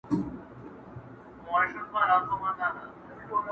دې مړۍ ته د ګیدړ ګېډه جوړيږي٫